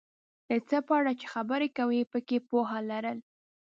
د څه په اړه چې خبرې کوې پکې پوهه لرل،